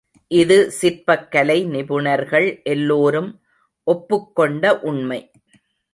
இது சிற்பக் கலை நிபுணர்கள் எல்லோரும் ஒப்புக்கொண்ட உண்மை.